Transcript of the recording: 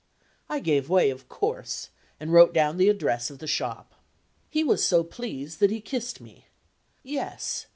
I gave way, of course, and wrote down the address of the shop. He was so pleased that he kissed me. Yes!